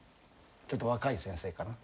ちょっと若い先生かな。